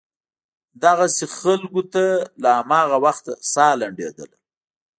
دغسې خلکو ته له هماغه وخته سا لنډېدله.